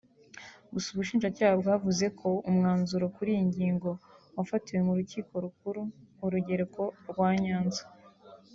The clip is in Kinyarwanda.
Gusa Ubushinjacyaha bwavuze ko umwanzuro kuri iyo ngingo wafatiwe mu Rukiko Rukuru - Urugereko rwa Nyanza